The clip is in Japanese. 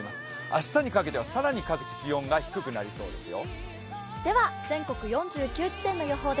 明日にかけては更に各地、気温が低くなりそうですよ。